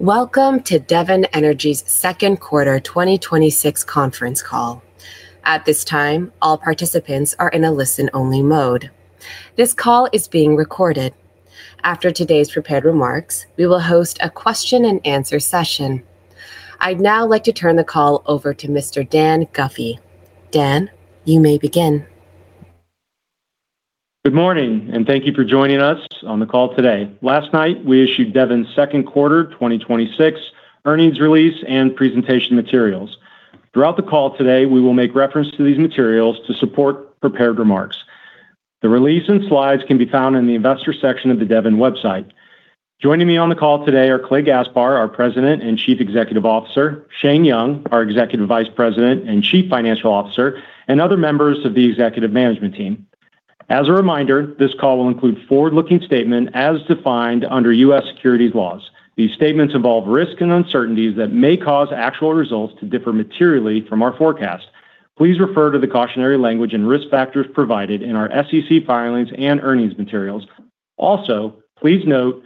Welcome to Devon Energy's second quarter 2026 conference call. At this time, all participants are in a listen-only mode. This call is being recorded. After today's prepared remarks, we will host a question and answer session. I'd now like to turn the call over to Mr. Dan Guffey. Dan, you may begin. Good morning. Thank you for joining us on the call today. Last night, we issued Devon's second quarter 2026 earnings release and presentation materials. Throughout the call today, we will make reference to these materials to support prepared remarks. The release and slides can be found in the Investors section of the devon website. Joining me on the call today are Clay Gaspar, our President and Chief Executive Officer, Shane Young, our Executive Vice President and Chief Financial Officer, and other members of the executive management team. As a reminder, this call will include forward-looking statement as defined under U.S. securities laws. These statements involve risks and uncertainties that may cause actual results to differ materially from our forecast. Please refer to the cautionary language and risk factors provided in our SEC filings and earnings materials. Please note,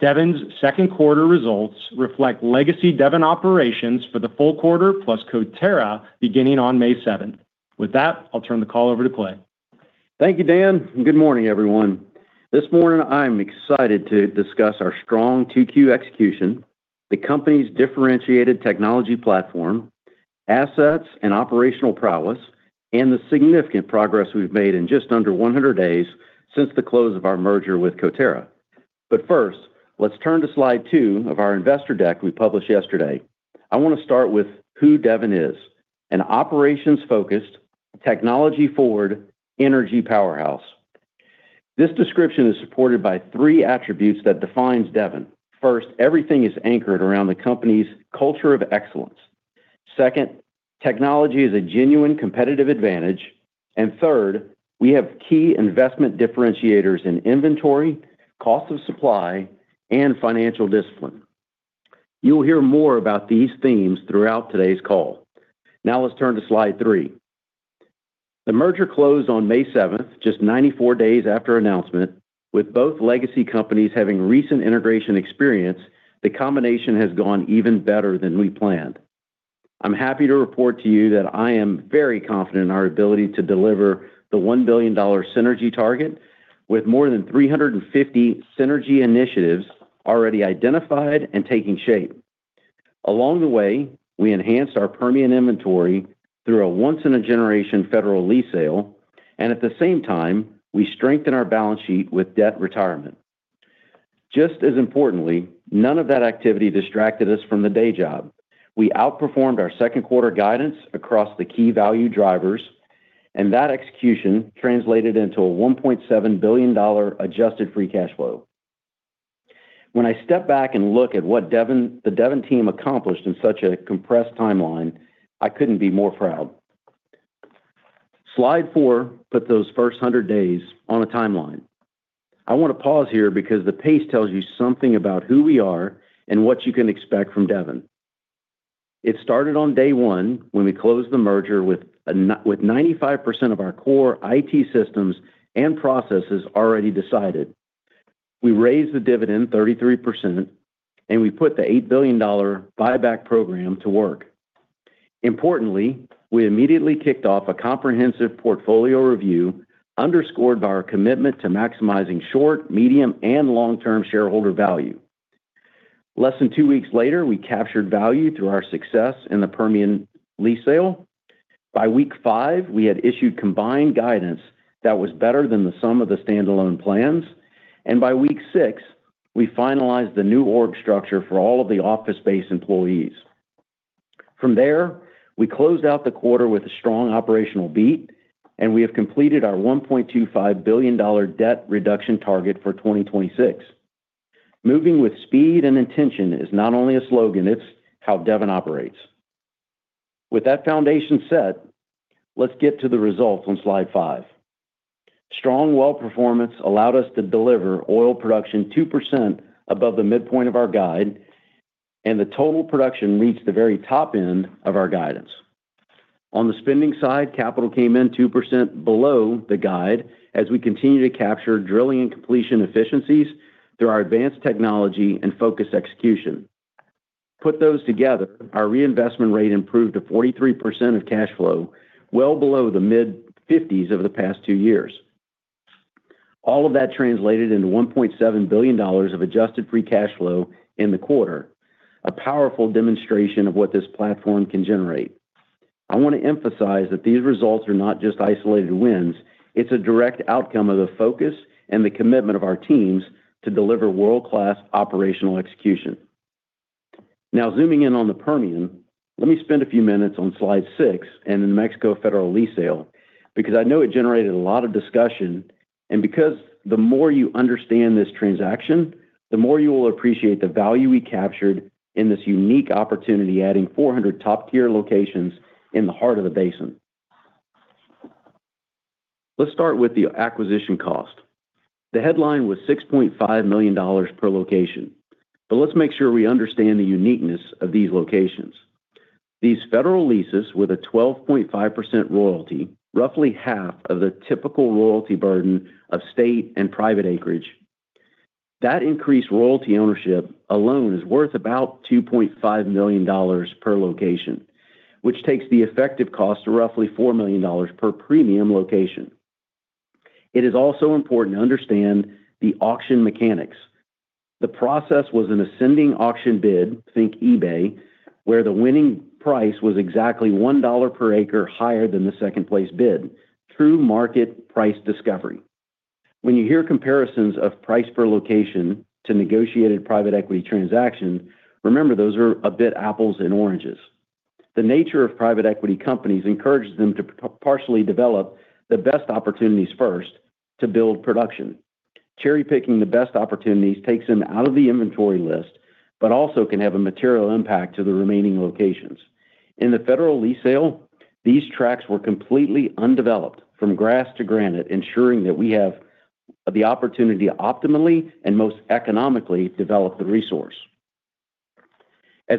Devon's second quarter results reflect legacy Devon operations for the full quarter, plus Coterra beginning on May 7th. I'll turn the call over to Clay. Thank you, Dan. Good morning, everyone. This morning I'm excited to discuss our strong Q2 execution, the company's differentiated technology platform, assets and operational prowess, and the significant progress we've made in just under 100 days since the close of our merger with Coterra. First, let's turn to slide two of our investor deck we published yesterday. I want to start with who Devon is, an operations-focused, technology-forward energy powerhouse. This description is supported by three attributes that defines Devon. First, everything is anchored around the company's culture of excellence. Second, technology is a genuine competitive advantage. Third, we have key investment differentiators in inventory, cost of supply, and financial discipline. You'll hear more about these themes throughout today's call. Let's turn to slide three. The merger closed on May 7th, just 94 days after announcement. With both legacy companies having recent integration experience, the combination has gone even better than we planned. I am happy to report to you that I am very confident in our ability to deliver the $1 billion synergy target with more than 350 synergy initiatives already identified and taking shape. Along the way, we enhanced our Permian inventory through a once-in-a-generation federal lease sale, and at the same time, we strengthened our balance sheet with debt retirement. Just as importantly, none of that activity distracted us from the day job. We outperformed our second quarter guidance across the key value drivers, and that execution translated into a $1.7 billion adjusted free cash flow. When I step back and look at what the Devon team accomplished in such a compressed timeline, I couldn't be more proud. Slide four put those first 100 days on a timeline. I want to pause here because the pace tells you something about who we are and what you can expect from Devon. It started on day one when we closed the merger with 95% of our core IT systems and processes already decided. We raised the dividend 33%, and we put the $8 billion buyback program to work. Importantly, we immediately kicked off a comprehensive portfolio review underscored by our commitment to maximizing short, medium, and long-term shareholder value. Less than two weeks later, we captured value through our success in the Permian lease sale. By week five, we had issued combined guidance that was better than the sum of the standalone plans. By week six, we finalized the new org structure for all of the office-based employees. From there, we closed out the quarter with a strong operational beat, and we have completed our $1.25 billion debt reduction target for 2026. Moving with speed and intention is not only a slogan, it's how Devon operates. With that foundation set, let's get to the results on slide five. Strong well performance allowed us to deliver oil production 2% above the midpoint of our guide, and the total production reached the very top end of our guidance. On the spending side, capital came in 2% below the guide as we continue to capture drilling and completion efficiencies through our advanced technology and focused execution. Put those together, our reinvestment rate improved to 43% of cash flow, well below the mid-50s over the past two years. All of that translated into $1.7 billion of adjusted free cash flow in the quarter, a powerful demonstration of what this platform can generate. I want to emphasize that these results are not just isolated wins. It's a direct outcome of the focus and the commitment of our teams to deliver world-class operational execution. Now zooming in on the Permian, let me spend a few minutes on slide six and the New Mexico federal lease sale, because I know it generated a lot of discussion, and because the more you understand this transaction, the more you will appreciate the value we captured in this unique opportunity, adding 400 top-tier locations in the heart of the basin. Let's start with the acquisition cost. The headline was $6.5 million per location. But let's make sure we understand the uniqueness of these locations. These federal leases with a 12.5% royalty, roughly half of the typical royalty burden of state and private acreage. That increased royalty ownership alone is worth about $2.5 million per location, which takes the effective cost to roughly $4 million per premium location. It is also important to understand the auction mechanics. The process was an ascending auction bid, think eBay, where the winning price was exactly $1 per acre higher than the second-place bid. True market price discovery. When you hear comparisons of price per location to negotiated private equity transactions, remember, those are a bit apples and oranges. The nature of private equity companies encourages them to partially develop the best opportunities first to build production. Cherry-picking the best opportunities takes them out of the inventory list, but also can have a material impact to the remaining locations. In the federal lease sale, these tracks were completely undeveloped from grass to granite, ensuring that we have the opportunity to optimally and most economically develop the resource.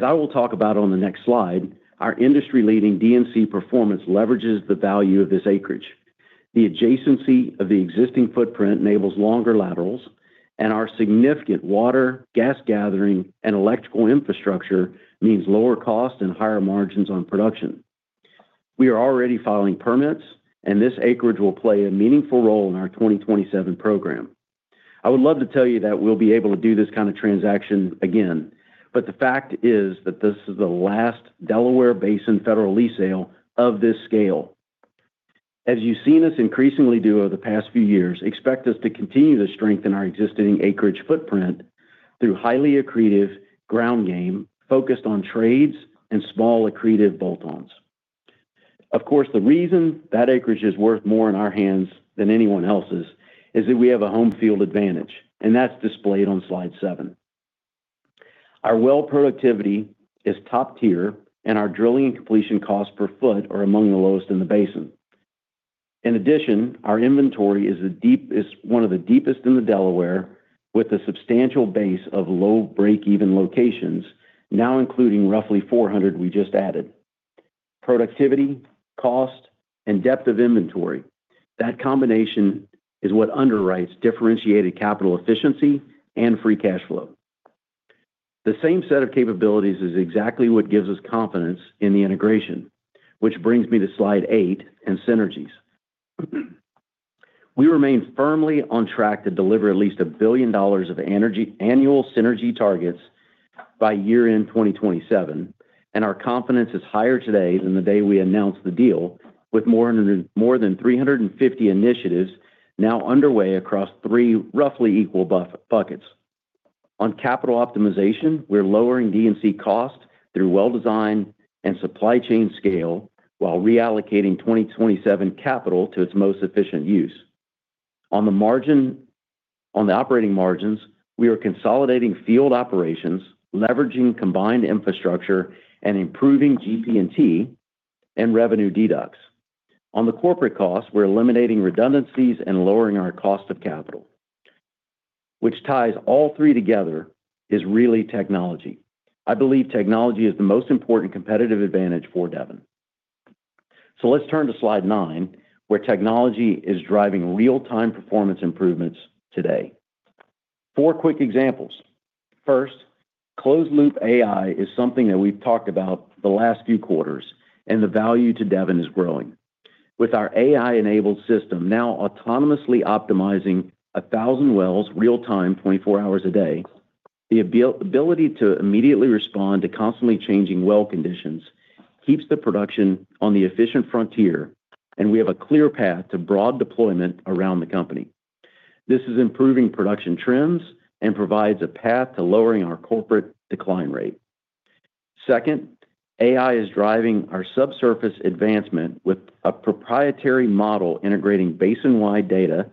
I will talk about on the next slide, our industry-leading D&C performance leverages the value of this acreage. The adjacency of the existing footprint enables longer laterals. Our significant water, gas gathering, and electrical infrastructure means lower cost and higher margins on production. We are already filing permits. This acreage will play a meaningful role in our 2027 program. I would love to tell you that we'll be able to do this kind of transaction again. The fact is that this is the last Delaware Basin federal lease sale of this scale. You've seen us increasingly do over the past few years, expect us to continue to strengthen our existing acreage footprint through highly accretive ground game focused on trades and small accretive bolt-ons. Of course, the reason that acreage is worth more in our hands than anyone else's is that we have a home field advantage. That's displayed on slide seven. Our well productivity is top-tier. Our drilling and completion costs per foot are among the lowest in the basin. In addition, our inventory is one of the deepest in the Delaware with a substantial base of low breakeven locations now including roughly 400 we just added. Productivity, cost, and depth of inventory. That combination is what underwrites differentiated capital efficiency and free cash flow. The same set of capabilities is exactly what gives us confidence in the integration, which brings me to slide eight and synergies. We remain firmly on track to deliver at least $1 billion of annual synergy targets by year-end 2027. Our confidence is higher today than the day we announced the deal with more than 350 initiatives now underway across three roughly equal buckets. On capital optimization, we're lowering D&C costs through well design and supply chain scale while reallocating 2027 capital to its most efficient use. On the operating margins, we are consolidating field operations, leveraging combined infrastructure, and improving GP&T and revenue deducts. On the corporate costs, we're eliminating redundancies and lowering our cost of capital. What ties all three together is really technology. I believe technology is the most important competitive advantage for Devon. Let's turn to slide nine, where technology is driving real-time performance improvements today. Four quick examples. First, closed-loop AI is something that we've talked about the last few quarters, and the value to Devon is growing. With our AI-enabled system now autonomously optimizing 1,000 wells real-time 24 hours a day, the ability to immediately respond to constantly changing well conditions keeps the production on the efficient frontier, and we have a clear path to broad deployment around the company. This is improving production trends and provides a path to lowering our corporate decline rate. Second, AI is driving our subsurface advancement with a proprietary model integrating basin-wide data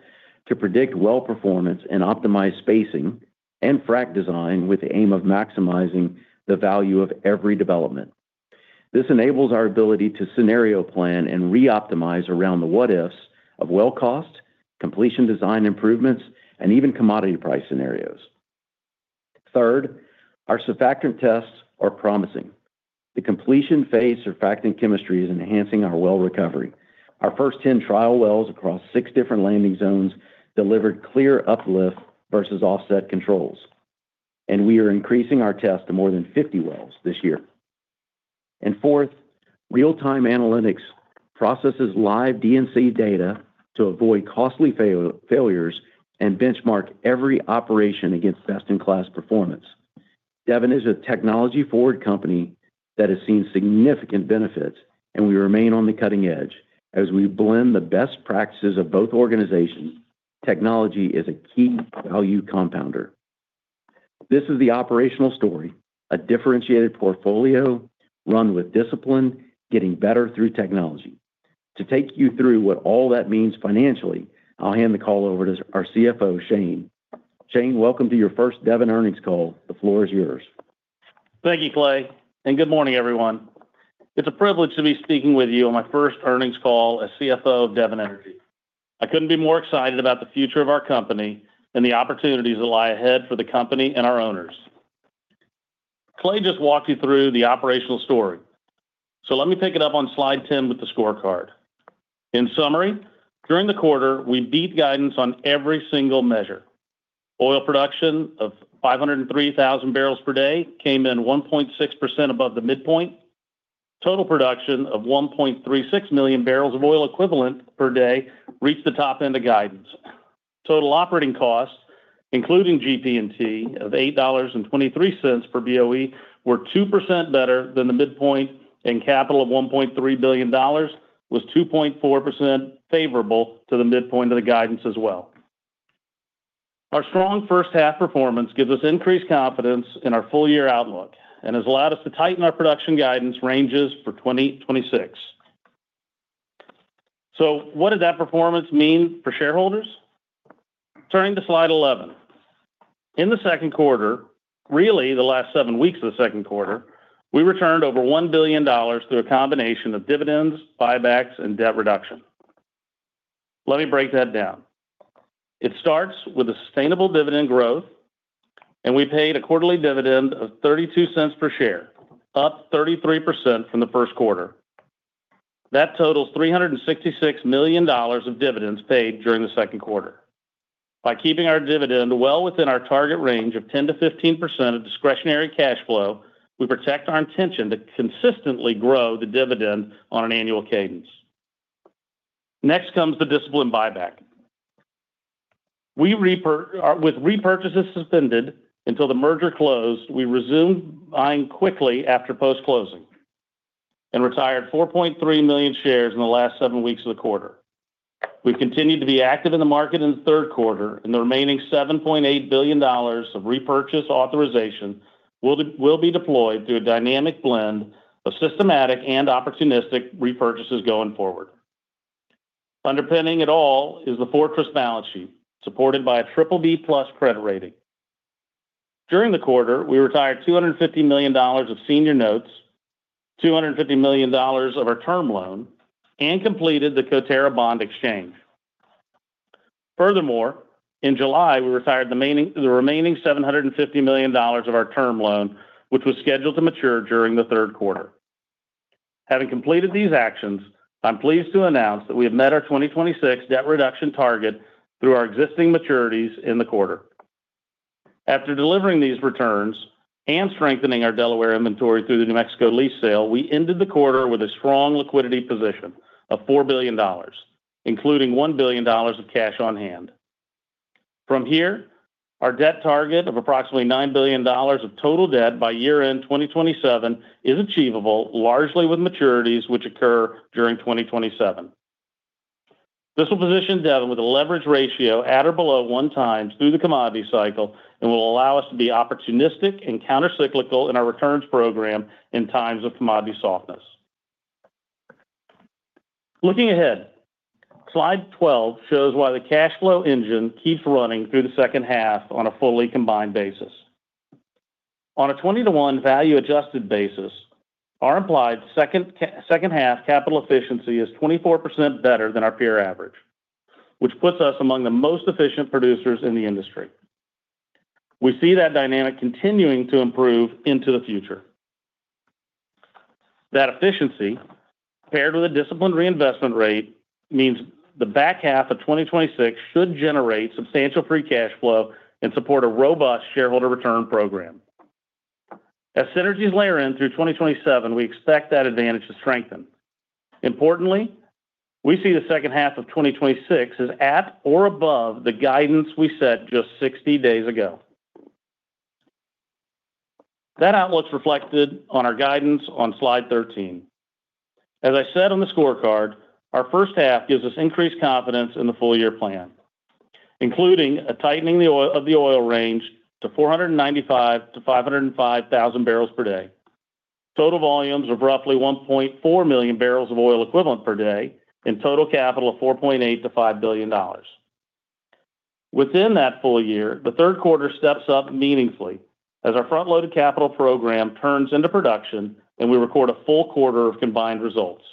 to predict well performance and optimize spacing and frack design with the aim of maximizing the value of every development. This enables our ability to scenario plan and re-optimize around the what-ifs of well cost, completion design improvements, and even commodity price scenarios. Third, our surfactant tests are promising. The completion phase surfactant chemistry is enhancing our well recovery. Our first 10 trial wells across six different landing zones delivered clear uplift versus offset controls, and we are increasing our test to more than 50 wells this year. Fourth, real-time analytics processes live D&C data to avoid costly failures and benchmark every operation against best-in-class performance. Devon is a technology-forward company that has seen significant benefits, and we remain on the cutting edge. As we blend the best practices of both organizations, technology is a key value compounder. This is the operational story, a differentiated portfolio run with discipline, getting better through technology. To take you through what all that means financially, I'll hand the call over to our CFO, Shane. Shane, welcome to your first Devon earnings call. The floor is yours. Thank you, Clay, and good morning, everyone. It's a privilege to be speaking with you on my first earnings call as CFO of Devon Energy. I couldn't be more excited about the future of our company and the opportunities that lie ahead for the company and our owners. Clay just walked you through the operational story. Let me pick it up on slide 10 with the scorecard. In summary, during the quarter, we beat guidance on every single measure. Oil production of 503,000 bpd came in 1.6% above the midpoint. Total production of 1.36 million barrels of oil equivalent per day reached the top end of guidance. Total operating costs, including GP&T of $8.23 per BOE, were 2% better than the midpoint, and capital of $1.3 billion was 2.4% favorable to the midpoint of the guidance as well. Our strong first-half performance gives us increased confidence in our full-year outlook and has allowed us to tighten our production guidance ranges for 2026. What did that performance mean for shareholders? Turning to slide 11. In the second quarter, really the last seven weeks of the second quarter, we returned over $1 billion through a combination of dividends, buybacks, and debt reduction. Let me break that down. It starts with a sustainable dividend growth, and we paid a quarterly dividend of $0.32 per share, up 33% from the first quarter. That totals $366 million of dividends paid during the second quarter. By keeping our dividend well within our target range of 10%-15% of discretionary cash flow, we protect our intention to consistently grow the dividend on an annual cadence. Next comes the disciplined buyback. With repurchases suspended until the merger closed, we resumed buying quickly after post-closing and retired 4.3 million shares in the last seven weeks of the quarter. We continue to be active on the market in the third quarter. The remaining $7.8 billion of repurchase authorization will be deployed through a dynamic blend of systematic and opportunistic repurchases going forward. Underpinning it all is the fortress balance sheet, supported by a BBB+ credit rating. During the quarter, we retired $250 million of senior notes, $250 million of our term loan, and completed the Coterra bond exchange. Furthermore, in July, we retired the remaining $750 million of our term loan, which was scheduled to mature during the third quarter. Having completed these actions, I'm pleased to announce that we have met our 2026 debt reduction target through our existing maturities in the quarter. After delivering these returns and strengthening our Delaware inventory through the New Mexico lease sale, we ended the quarter with a strong liquidity position of $4 billion, including $1 billion of cash on hand. From here, our debt target of approximately $9 billion of total debt by year-end 2027 is achievable, largely with maturities which occur during 2027. This will position Devon with a leverage ratio at or below 1x through the commodity cycle and will allow us to be opportunistic and countercyclical in our returns program in times of commodity softness. Looking ahead, slide 12 shows why the cash flow engine keeps running through the second half on a fully combined basis. On a 20:1 value-adjusted basis, our implied second half capital efficiency is 24% better than our peer average, which puts us among the most efficient producers in the industry. We see that dynamic continuing to improve into the future. That efficiency, paired with a disciplined reinvestment rate, means the back half of 2026 should generate substantial free cash flow and support a robust shareholder return program. As synergies layer in through 2027, we expect that advantage to strengthen. Importantly, we see the second half of 2026 as at or above the guidance we set just 60 days ago. That outlook's reflected on our guidance on slide 13. As I said on the scorecard, our first half gives us increased confidence in the full-year plan, including a tightening of the oil range to 495,000 bpd-505,000 bpd. Total volumes of roughly 1.4 million barrels of oil equivalent per day and total capital of $4.8 billion-$5 billion. Within that full year, the third quarter steps up meaningfully as our front-loaded capital program turns into production and we record a full quarter of combined results.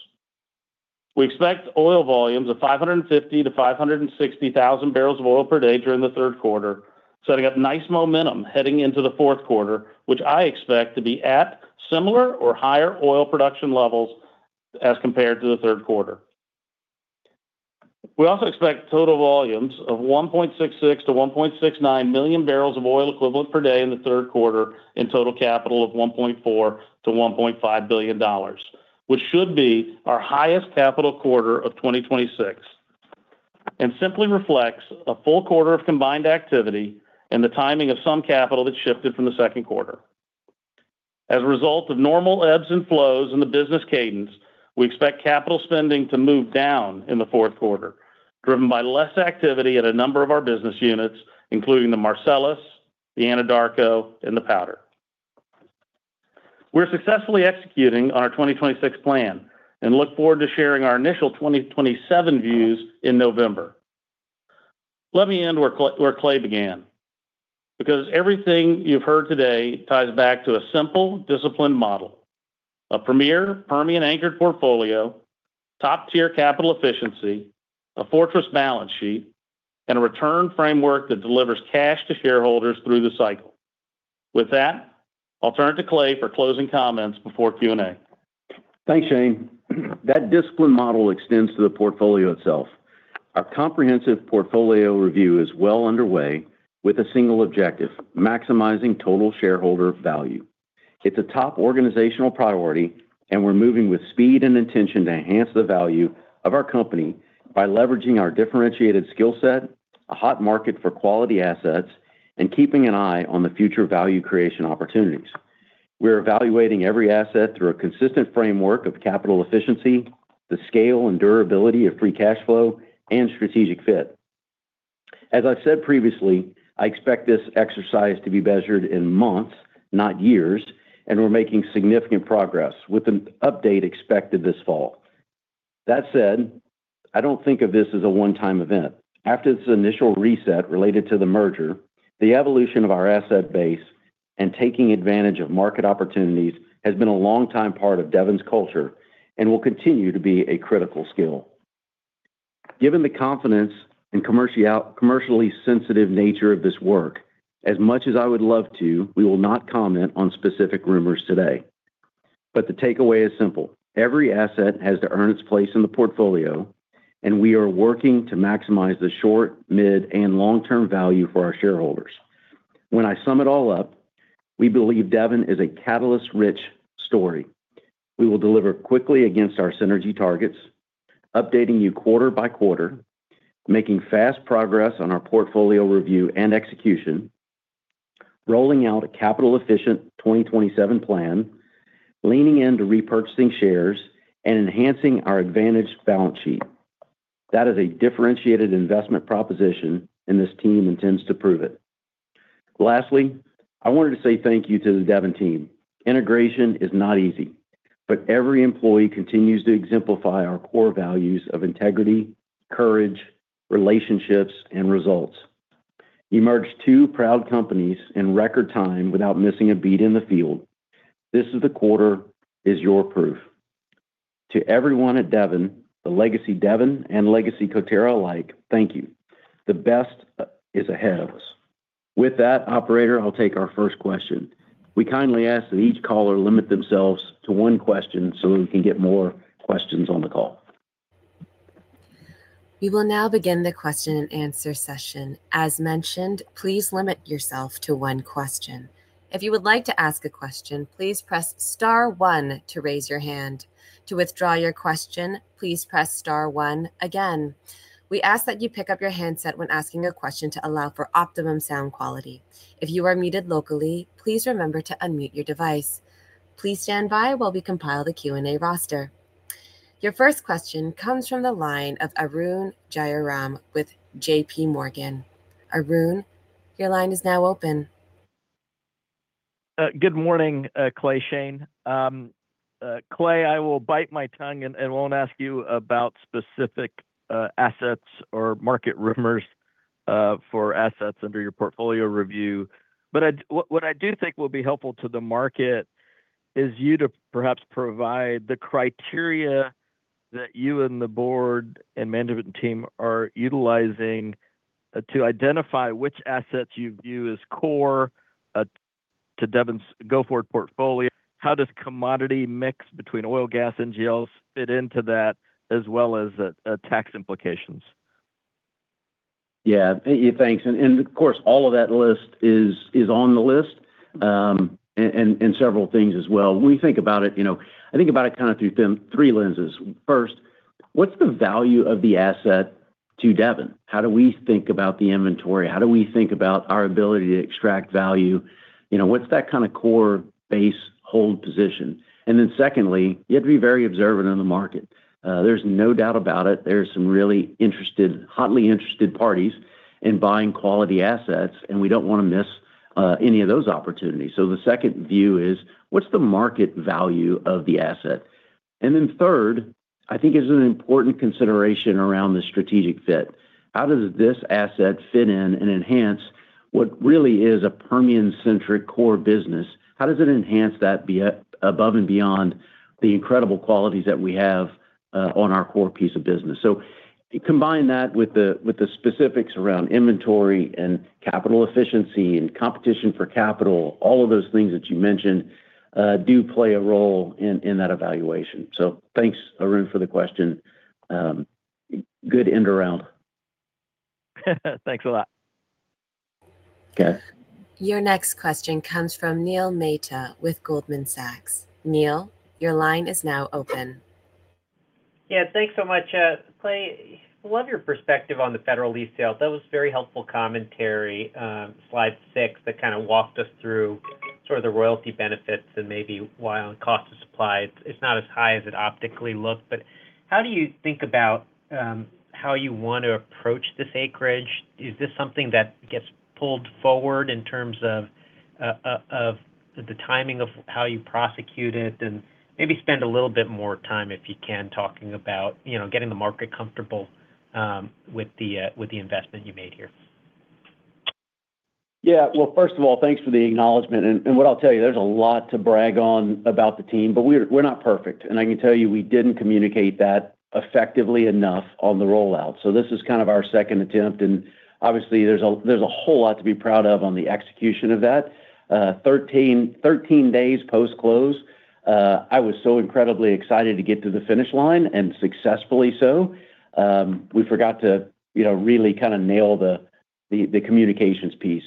We expect oil volumes of 550,000 bpd-560,000 bpd during the third quarter, setting up nice momentum heading into the fourth quarter, which I expect to be at similar or higher oil production levels as compared to the third quarter. We also expect total volumes of 1.66 million-1.69 million barrels of oil equivalent per day in the third quarter in total capital of $1.4 billion-$1.5 billion, which should be our highest capital quarter of 2026 and simply reflects a full quarter of combined activity and the timing of some capital that shifted from the second quarter. As a result of normal ebbs and flows in the business cadence, we expect capital spending to move down in the fourth quarter, driven by less activity at a number of our business units, including the Marcellus, the Anadarko, and the Powder. We're successfully executing on our 2026 plan and look forward to sharing our initial 2027 views in November. Let me end where Clay began, because everything you've heard today ties back to a simple, disciplined model. A premier Permian anchored portfolio, top-tier capital efficiency, a fortress balance sheet, and a return framework that delivers cash to shareholders through the cycle. With that, I'll turn it to Clay for closing comments before Q&A. Thanks, Shane. That disciplined model extends to the portfolio itself. Our comprehensive portfolio review is well underway with a single objective, maximizing total shareholder value. It's a top organizational priority, and we're moving with speed and intention to enhance the value of our company by leveraging our differentiated skill set, a hot market for quality assets, and keeping an eye on the future value creation opportunities. We're evaluating every asset through a consistent framework of capital efficiency, the scale and durability of free cash flow, and strategic fit. As I've said previously, I expect this exercise to be measured in months, not years, and we're making significant progress with an update expected this fall. That said, I don't think of this as a one-time event. After this initial reset related to the merger, the evolution of our asset base and taking advantage of market opportunities has been a long time part of Devon's culture and will continue to be a critical skill. Given the confidence and commercially sensitive nature of this work, as much as I would love to, we will not comment on specific rumors today. The takeaway is simple. Every asset has to earn its place in the portfolio, and we are working to maximize the short, mid, and long-term value for our shareholders. When I sum it all up, we believe Devon is a catalyst-rich story. We will deliver quickly against our synergy targets, updating you quarter by quarter, making fast progress on our portfolio review and execution, rolling out a capital efficient 2027 plan, leaning into repurchasing shares, and enhancing our advantaged balance sheet. That is a differentiated investment proposition, and this team intends to prove it. Lastly, I wanted to say thank you to the Devon team. Integration is not easy, but every employee continues to exemplify our core values of integrity, courage, relationships, and results. You merged two proud companies in record time without missing a beat in the field. This quarter is your proof. To everyone at Devon, the legacy Devon and legacy Coterra alike, thank you. The best is ahead of us. With that, operator, I'll take our first question. We kindly ask that each caller limit themselves to one question so we can get more questions on the call. We will now begin the question and answer session. As mentioned, please limit yourself to one question. If you would like to ask a question, please press star one to raise your hand. To withdraw your question, please press star one again. We ask that you pick up your handset when asking a question to allow for optimum sound quality. If you are muted locally, please remember to unmute your device. Please stand by while we compile the Q&A roster. Your first question comes from the line of Arun Jayaram with JPMorgan. Arun, your line is now open. Good morning, Clay, Shane. Clay, I will bite my tongue and won't ask you about specific assets or market rumors for assets under your portfolio review. What I do think will be helpful to the market is you to perhaps provide the criteria that you and the board and management team are utilizing to identify which assets you view as core to Devon's go-forward portfolio. How does commodity mix between oil, gas, and geos fit into that, as well as tax implications? Yeah. Thanks. Of course, all of that list is on the list, and several things as well. We think about it through three lenses. First, what's the value of the asset to Devon? How do we think about the inventory? How do we think about our ability to extract value? What's that kind of core base hold position? Secondly, you have to be very observant in the market. There's no doubt about it. There's some really hotly interested parties in buying quality assets, and we don't want to miss any of those opportunities. The second view is, what's the market value of the asset? Third, I think is an important consideration around the strategic fit. How does this asset fit in and enhance what really is a Permian-centric core business? Combine that with the specifics around inventory and capital efficiency and competition for capital. All of those things that you mentioned do play a role in that evaluation. Thanks, Arun, for the question. Good end around. Thanks a lot. Okay. Your next question comes from Neil Mehta with Goldman Sachs. Neil, your line is now open. Thanks so much. Clay, love your perspective on the federal lease sale. That was very helpful commentary. Slide six that kind of walked us through sort of the royalty benefits and maybe why on cost of supply it's not as high as it optically looked. How do you think about how you want to approach this acreage? Is this something that gets pulled forward in terms of the timing of how you prosecute it? Maybe spend a little bit more time, if you can, talking about getting the market comfortable with the investment you made here. Well, first of all, thanks for the acknowledgement. What I'll tell you, there's a lot to brag on about the team, but we're not perfect. I can tell you we didn't communicate that effectively enough on the rollout. This is kind of our second attempt. Obviously there's a whole lot to be proud of on the execution of that. 13 days post-close, I was so incredibly excited to get to the finish line, and successfully so. We forgot to really nail the communications piece.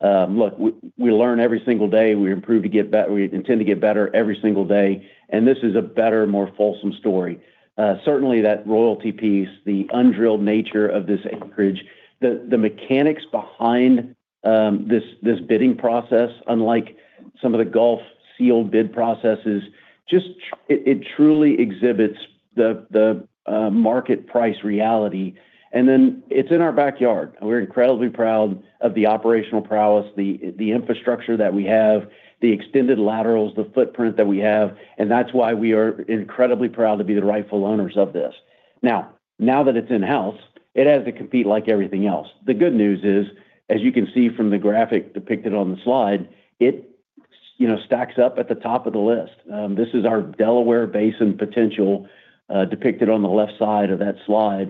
Look, we learn every single day. We intend to get better every single day, this is a better, more fulsome story. Certainly, that royalty piece, the undrilled nature of this acreage, the mechanics behind this bidding process, unlike some of the Gulf sealed bid processes, it truly exhibits the market price reality. Then it's in our backyard. We're incredibly proud of the operational prowess, the infrastructure that we have, the extended laterals, the footprint that we have. That's why we are incredibly proud to be the rightful owners of this. Now that it's in-house, it has to compete like everything else. The good news is, as you can see from the graphic depicted on the slide, it stacks up at the top of the list. This is our Delaware Basin potential depicted on the left side of that slide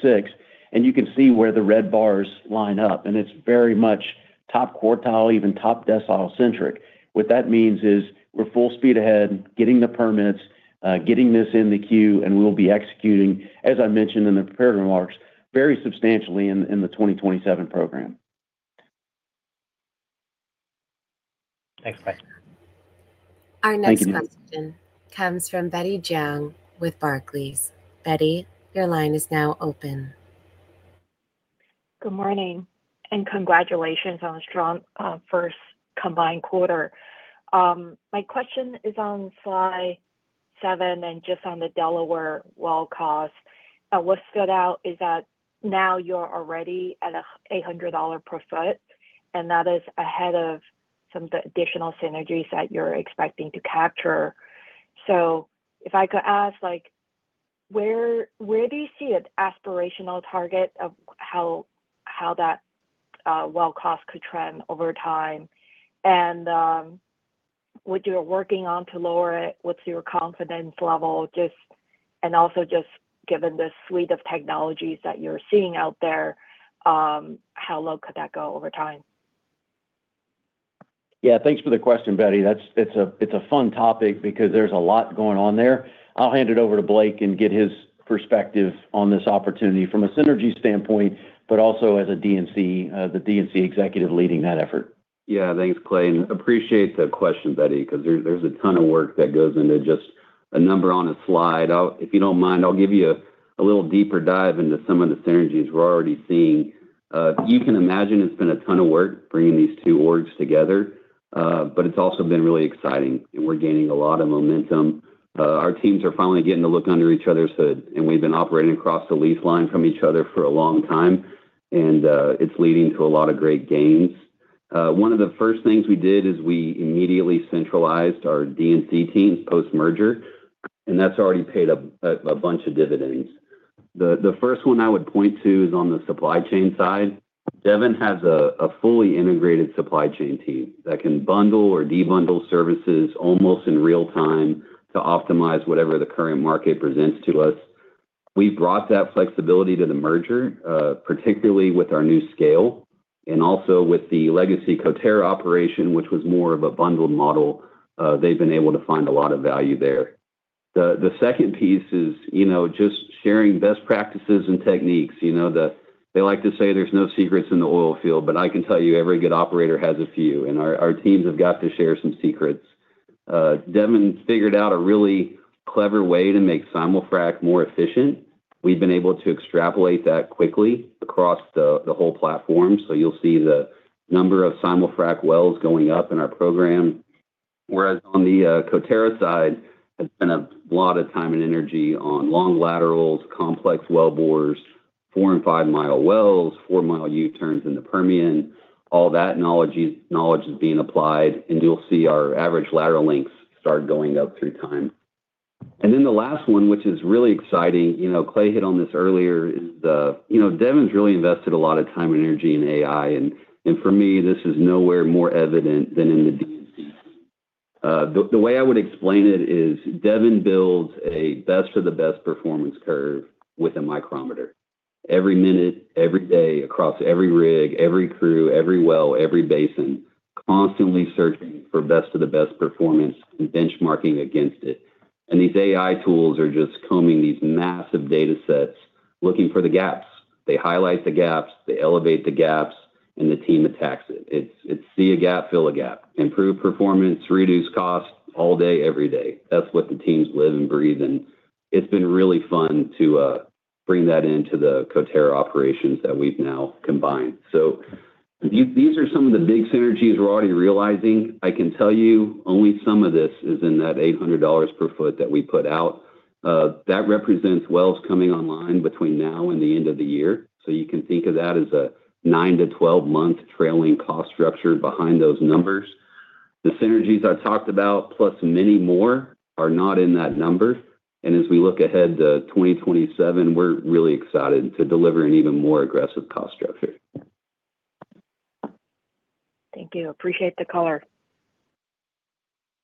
six. You can see where the red bars line up, it's very much top quartile, even top decile centric. What that means is we're full speed ahead, getting the permits, getting this in the queue, we'll be executing, as I mentioned in the prepared remarks, very substantially in the 2027 program. Thanks, Clay. Our next question comes from Betty Jiang with Barclays. Betty, your line is now open. Good morning, and congratulations on a strong first combined quarter. My question is on slide seven and just on the Delaware well cost. What stood out is that now you're already at $800 per foot, and that is ahead of some of the additional synergies that you're expecting to capture. If I could ask, where do you see an aspirational target of how that well cost could trend over time? What you're working on to lower it? What's your confidence level? Also just given the suite of technologies that you're seeing out there, how low could that go over time? Thanks for the question, Betty. It's a fun topic because there's a lot going on there. I'll hand it over to Blake and get his perspective on this opportunity from a synergy standpoint, but also as the D&C executive leading that effort. Yeah. Thanks, Clay, and appreciate the question, Betty, because there's a ton of work that goes into just a number on a slide. If you don't mind, I'll give you a little deeper dive into some of the synergies we're already seeing. You can imagine it's been a ton of work bringing these two orgs together, but it's also been really exciting. We're gaining a lot of momentum. Our teams are finally getting to look under each other's hood, and we've been operating across the lease line from each other for a long time, and it's leading to a lot of great gains. One of the first things we did is we immediately centralized our D&C teams post-merger, and that's already paid a bunch of dividends. The first one I would point to is on the supply chain side. Devon has a fully integrated supply chain team that can bundle or de-bundle services almost in real time to optimize whatever the current market presents to us. We've brought that flexibility to the merger, particularly with our new scale and also with the legacy Coterra operation, which was more of a bundled model. They've been able to find a lot of value there. The second piece is just sharing best practices and techniques. They like to say there's no secrets in the oil field, but I can tell you every good operator has a few, and our teams have got to share some secrets. Devon's figured out a really clever way to make simul-frac more efficient. We've been able to extrapolate that quickly across the whole platform. You'll see the number of simul-frac wells going up in our program. Whereas on the Coterra side, it's been a lot of time and energy on long laterals, complex wellbores, four- and five-mile wells, four-mile U-turns in the Permian. All that knowledge is being applied, you'll see our average lateral lengths start going up through time. The last one, which is really exciting, Clay hit on this earlier, is Devon's really invested a lot of time and energy in AI, and for me, this is nowhere more evident than in the D&C. The way I would explain it is Devon builds a best of the best performance curve with a micrometer. Every minute, every day, across every rig, every crew, every well, every basin, constantly searching for best of the best performance and benchmarking against it. These AI tools are just combing these massive datasets, looking for the gaps. They highlight the gaps, they elevate the gaps, the team attacks it. It's see a gap, fill a gap. Improve performance, reduce cost, all day, every day. That's what the teams live and breathe, and it's been really fun to bring that into the Coterra operations that we've now combined. These are some of the big synergies we're already realizing. I can tell you only some of this is in that $800 per foot that we put out. That represents wells coming online between now and the end of the year. You can think of that as a nine- to 12-month trailing cost structure behind those numbers. The synergies I talked about, plus many more, are not in that number. As we look ahead to 2027, we're really excited to deliver an even more aggressive cost structure. Thank you. Appreciate the color.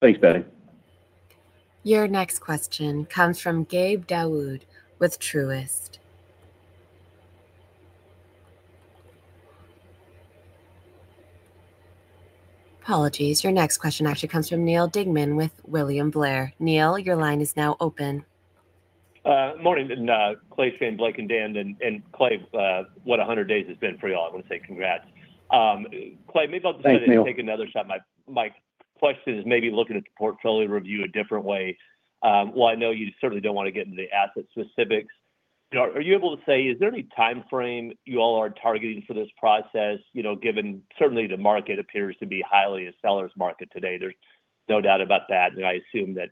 Thanks, Betty. Your next question comes from Gabe Daoud with Truist. Apologies. Your next question actually comes from Neal Dingmann with William Blair. Neal, your line is now open. Morning, Clay, Shane, Blake, and Dan. Clay, what 100 days has been for you all. I want to say congrats. Thanks, Neal. Clay maybe I'll take another shot. My question is maybe looking at the portfolio review a different way. While I know you certainly don't want to get into the asset specifics, are you able to say, is there any timeframe you all are targeting for this process? Given certainly the market appears to be highly a seller's market today. There's no doubt about that. I assume that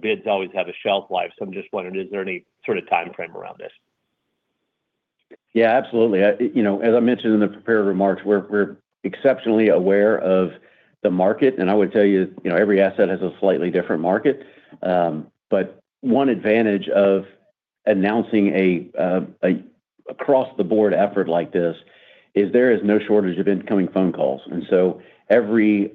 bids always have a shelf life. I'm just wondering, is there any sort of timeframe around this? Yeah, absolutely. As I mentioned in the prepared remarks, we're exceptionally aware of the market, and I would tell you every asset has a slightly different market. One advantage of announcing across the board effort like this is there is no shortage of incoming phone calls. Every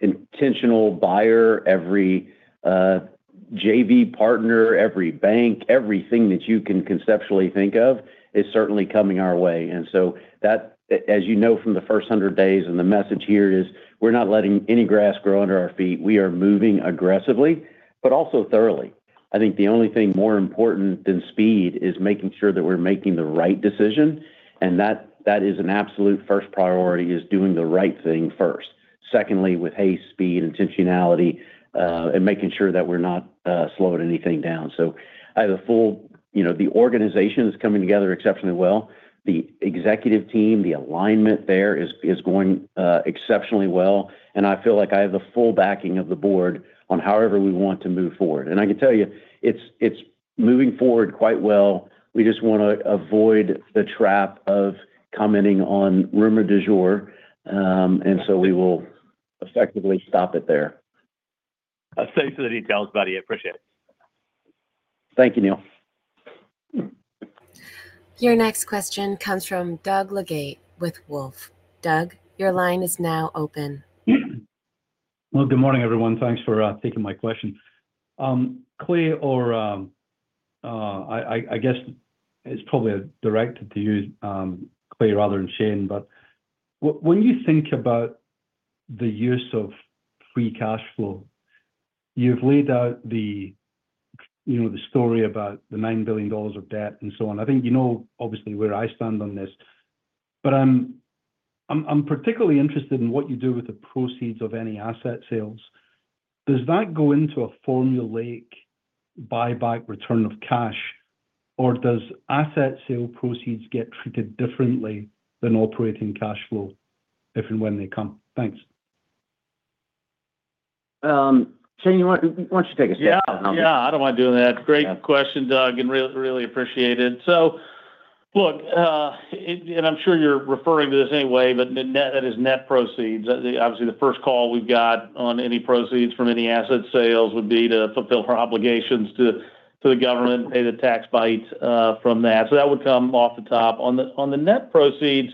intentional buyer, every JV partner, every bank, everything that you can conceptually think of is certainly coming our way. That, as you know from the first 100 days, and the message here is we're not letting any grass grow under our feet. We are moving aggressively, but also thoroughly. I think the only thing more important than speed is making sure that we're making the right decision, and that is an absolute first priority, is doing the right thing first. Secondly, with haste, speed, intentionality, and making sure that we're not slowing anything down. The organization is coming together exceptionally well. The executive team, the alignment there is going exceptionally well. I feel like I have the full backing of the board on however we want to move forward. I can tell you, it's moving forward quite well. We just want to avoid the trap of commenting on rumor du jour, and so we will effectively stop it there. Thanks for the details, [Clay]. I appreciate it. Thank you, Neal. Your next question comes from Doug Leggate with Wolfe. Doug, your line is now open. Well, good morning, everyone. Thanks for taking my question. Clay, or I guess it's probably directed to you, Clay, rather than Shane, but when you think about the use of free cash flow, you've laid out the story about the $9 billion of debt and so on. I think you know, obviously, where I stand on this, but I'm particularly interested in what you do with the proceeds of any asset sales. Does that go into a formulaic buyback return of cash, or does asset sale proceeds get treated differently than operating cash flow if and when they come? Thanks. Shane, why don't you take a stab at that one? Yeah. I don't mind doing that. Great question, Doug, and really appreciate it. Look, and I'm sure you're referring to this anyway, but that is net proceeds. Obviously, the first call we've got on any proceeds from any asset sales would be to fulfill our obligations to the government, pay the tax bite from that. That would come off the top. On the net proceeds,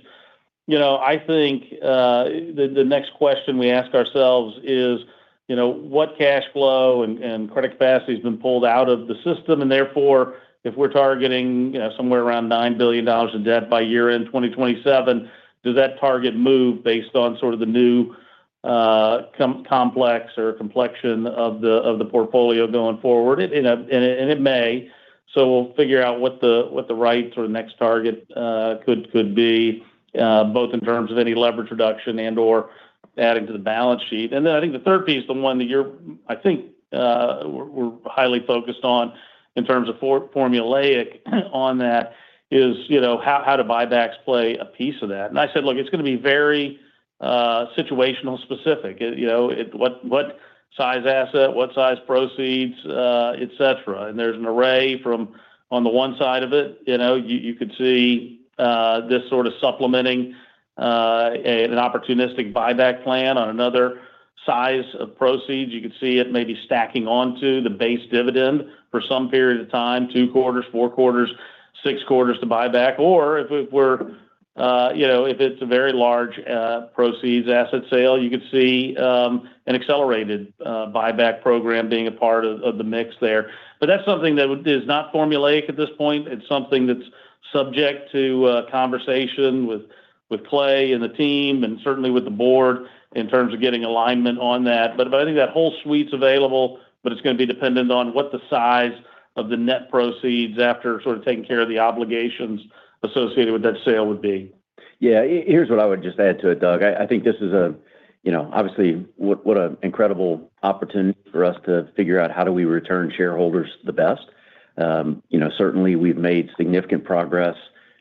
I think, the next question we ask ourselves is what cash flow and credit capacity has been pulled out of the system, and therefore, if we're targeting somewhere around $9 billion in debt by year-end 2027, does that target move based on sort of the new complex or complexion of the portfolio going forward? It may. We'll figure out what the right sort of next target could be, both in terms of any leverage reduction and/or adding to the balance sheet. Then I think the third piece, the one that you're, I think, we're highly focused on in terms of formulaic on that is how do buybacks play a piece of that? I said, look, it's going to be very situational specific. What size asset, what size proceeds, et cetera. There's an array from on the one side of it, you could see this sort of supplementing an opportunistic buyback plan on another size of proceeds. You could see it maybe stacking onto the base dividend for some period of time, two quarters, four quarters, six quarters to buyback. If it's a very large proceeds asset sale, you could see an accelerated buyback program being a part of the mix there. That's something that is not formulaic at this point. It's something that's subject to a conversation with Clay and the team, and certainly with the board in terms of getting alignment on that. I think that whole suite's available, but it's going to be dependent on what the size of the net proceeds after sort of taking care of the obligations associated with that sale would be. Yeah. Here's what I would just add to it, Doug. I think this is, obviously what an incredible opportunity for us to figure out how do we return shareholders the best. Certainly we've made significant progress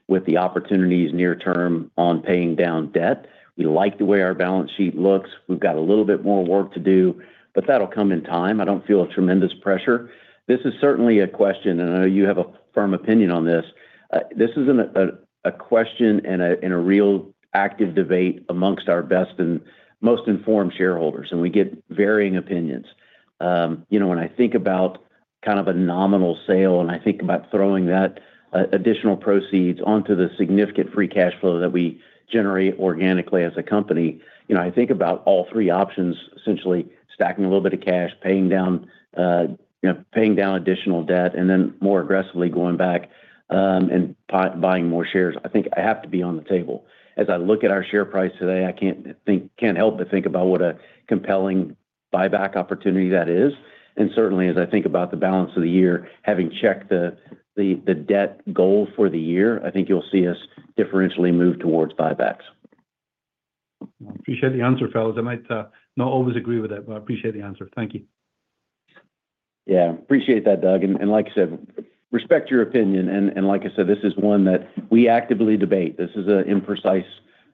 with the opportunities near term on paying down debt. We like the way our balance sheet looks. We've got a little bit more work to do, but that'll come in time. I don't feel a tremendous pressure. This is certainly a question, and I know you have a firm opinion on this. This is a question and a real active debate amongst our best and most informed shareholders, and we get varying opinions. When I think about a nominal sale and I think about throwing that additional proceeds onto the significant free cash flow that we generate organically as a company, I think about all three options, essentially stacking a little bit of cash, paying down additional debt, and then more aggressively going back and buying more shares. I think I have to be on the table. As I look at our share price today, I can't help but think about what a compelling buyback opportunity that is. Certainly, as I think about the balance of the year, having checked the debt goal for the year, I think you'll see us differentially move towards buybacks. I appreciate the answer, fellas. I might not always agree with it, but I appreciate the answer. Thank you. Appreciate that, Doug. Like I said, respect your opinion. Like I said, this is one that we actively debate. This is an imprecise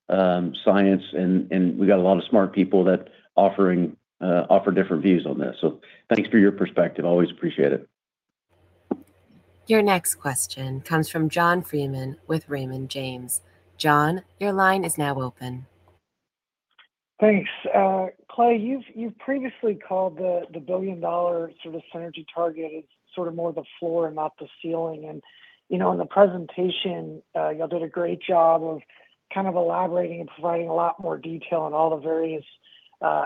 science and we've got a lot of smart people that offer different views on this. Thanks for your perspective. Always appreciate it. Your next question comes from John Freeman with Raymond James. John, your line is now open. Thanks. Clay, you've previously called the $1 billion synergy target as more the floor and not the ceiling. In the presentation, y'all did a great job of elaborating and providing a lot more detail on all the various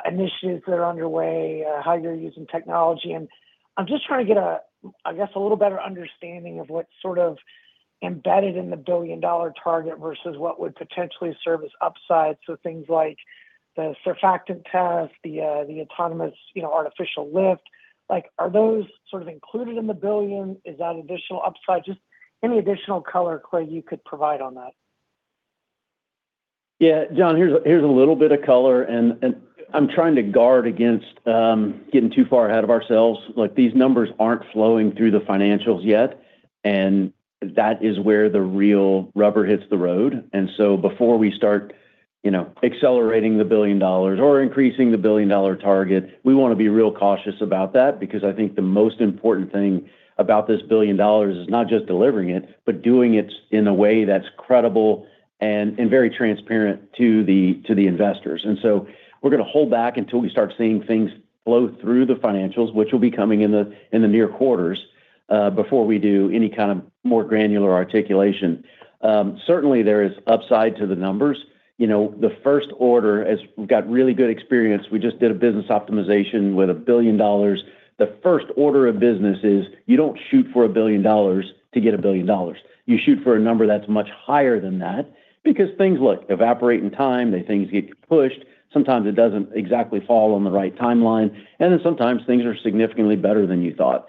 initiatives that are underway, how you're using technology. I'm just trying to get, I guess, a little better understanding of what's embedded in the $1 billion target versus what would potentially serve as upside. So things like the surfactant test, the autonomous artificial lift. Are those included in the billion? Is that additional upside? Just any additional color, Clay, you could provide on that. Yeah. John, here's a little bit of color. I'm trying to guard against getting too far ahead of ourselves. These numbers aren't flowing through the financials yet, and that is where the real rubber hits the road. Before we start accelerating the $1 billion or increasing the $1 billion target, we want to be real cautious about that because I think the most important thing about this $1 billion is not just delivering it, but doing it in a way that's credible and very transparent to the investors. We're going to hold back until we start seeing things flow through the financials, which will be coming in the near quarters, before we do any kind of more granular articulation. Certainly, there is upside to the numbers. The first order, as we've got really good experience, we just did a business optimization with $1 billion. The first order of business is you don't shoot for $1 billion to get $1 billion. You shoot for a number that's much higher than that because things evaporate in time, things get pushed. Sometimes it doesn't exactly fall on the right timeline. Sometimes things are significantly better than you thought.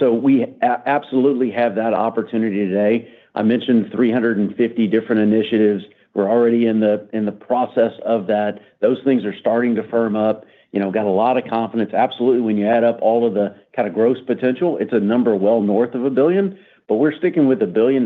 We absolutely have that opportunity today. I mentioned 350 different initiatives. We're already in the process of that. Those things are starting to firm up. Got a lot of confidence. Absolutely, when you add up all of the gross potential, it's a number well north of $1 billion, but we're sticking with $1 billion.